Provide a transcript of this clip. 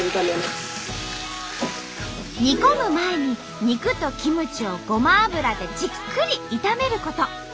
煮込む前に肉とキムチをごま油でじっくり炒めること。